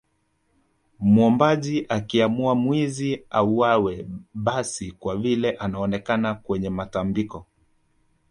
Mwombaji akiamua mwizi auawe basi kwa vile anaonekana kwenye matambiko